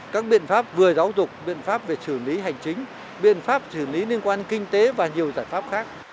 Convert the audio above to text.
các biện pháp vừa giáo dục biện pháp về xử lý hành chính biện pháp xử lý liên quan kinh tế và nhiều giải pháp khác